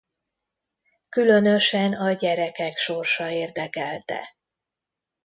Különösen a gyerekek sorsa érdekelte.